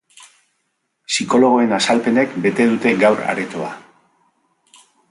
Psikologoen azalpenek bete dute gaur aretoa.